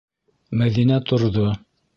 Мәҙинә торҙо.